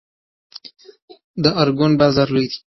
د ارګون بازار لوی دی